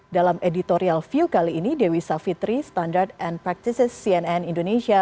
dalam editorial view kali ini dewi savitri standard and practices cnn indonesia